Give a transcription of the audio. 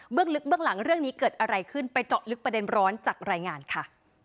ลึกเบื้องหลังเรื่องนี้เกิดอะไรขึ้นไปเจาะลึกประเด็นร้อนจากรายงานค่ะ